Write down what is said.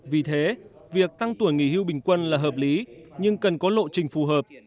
vì thế việc tăng tuổi nghỉ hưu bình quân là hợp lý nhưng cần có lộ trình phù hợp